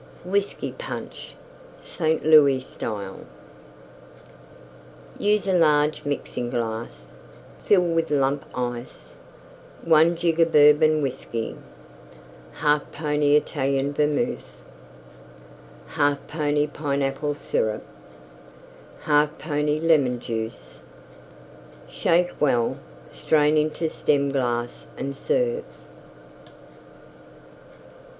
WHISKEY PUNCH St. Louis Style Use a large Mixing glass; fill with Lump Ice. One jigger Bourbon Whiskey. 1/2 pony Italian Vermouth. 1/2 pony Pineapple Syrup. 1/2 pony Lemon Juice. Shake well; strain into Stem glass and serve.